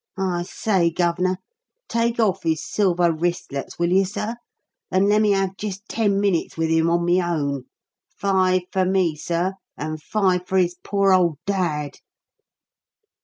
I say, Gov'nor, take off his silver wristlets, will you, sir, and lemme have jist ten minutes with him on my own? Five for me, sir, and five for his poor old dad!"